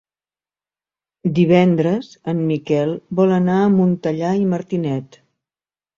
Divendres en Miquel vol anar a Montellà i Martinet.